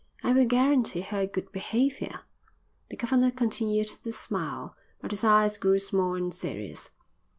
I will guarantee her good behaviour." The governor continued to smile, but his eyes grew small and serious.